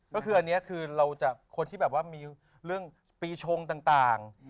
ก็คืออันนี้คือเราจะคนที่แบบว่ามีเรื่องปีชงต่าง